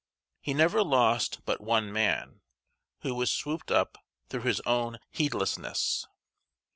He never lost but one man, who was swooped up through his own heedlessness.